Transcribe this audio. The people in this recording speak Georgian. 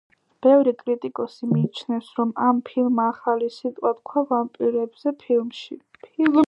ბევრი კრიტიკოსი მიიჩნევს, რომ ამ ფილმა ახალი სიტყვა თქვა ვამპირებზე ფილმებში.